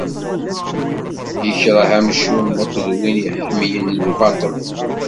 Ikreh amcum akked win iḥemmlen lbaṭel.